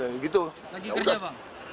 lagi kerja bang